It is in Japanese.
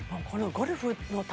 ゴルフの球